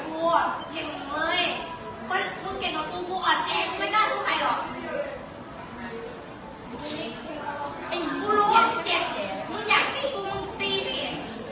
กูรู้ว่ามึงเก็บมึงอยากที่ปุ๊กมึงตีเสีย